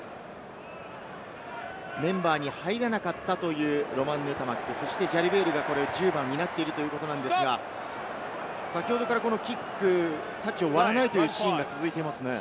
メンバーに入らなかったというロマン・ヌタマック、そしてジャリベールが１０番を担っているということなんですが、先ほどからキック、タッチを割らないというシーンが続いていますね。